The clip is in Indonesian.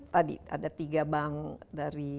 tadi ada tiga bank dari